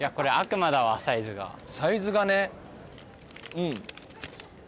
うん。